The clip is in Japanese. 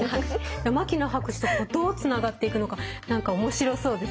牧野博士とどうつながっていくのか何か面白そうですね。